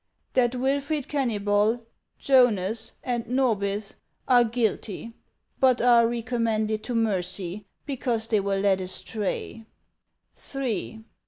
That Wilfred Kennybol, Jonas, and Norbith are guilty, but are recommended to mercy, because they were led astray ;" III.